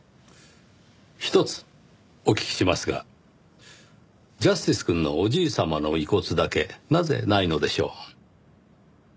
ひとつお聞きしますが正義くんのおじい様の遺骨だけなぜないのでしょう？